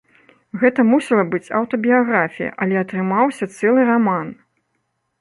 Гэта мусіла быць аўтабіяграфія, але атрымаўся цэлы раман.